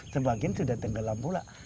sebagian sudah tergelam pula